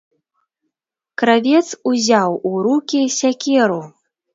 Кравец узяў у рукі сякеру.